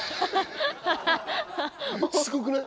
すごくない？